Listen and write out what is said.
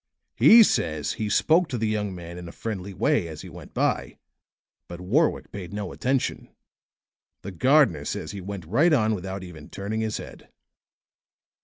He says he spoke to the young man in a friendly way as he went by; but Warwick paid no attention; the gardener says he went right on without even turning his head."